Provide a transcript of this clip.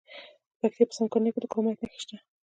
د پکتیا په څمکنیو کې د کرومایټ نښې شته.